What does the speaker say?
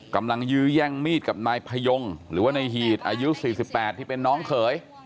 ยื้อแย่งมีดกับนายพยงหรือว่านายหีดอายุ๔๘ที่เป็นน้องเขย